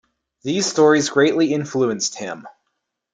These stories greatly influenced him.